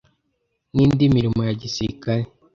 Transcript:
n'indi mirimo ya sirikare